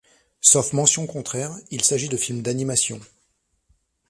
Sauf mention contraire, il s'agit de films d'animation.